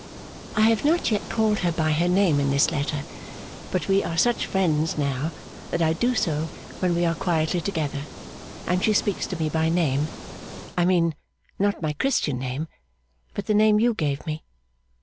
I have not yet called her by her name in this letter, but we are such friends now that I do so when we are quietly together, and she speaks to me by my name I mean, not my Christian name, but the name you gave me.